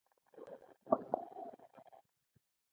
هغې د اختراع حق د خوندیتوب وړاندیز رد کړ.